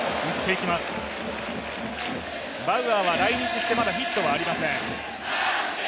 バウアーは来日して、まだヒットはありません。